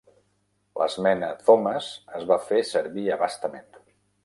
L'esmena Thomas es va fer servir abastament.